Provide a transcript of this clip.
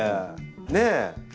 ねえ！